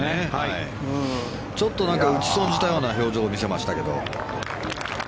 ちょっと打ち損じたような表情を見せましたけど。